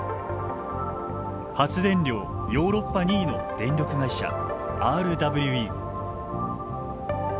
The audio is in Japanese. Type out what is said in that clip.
発電量ヨーロッパ２位の電力会社ＲＷＥ。